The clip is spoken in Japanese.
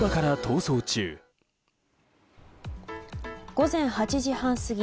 午前８時半過ぎ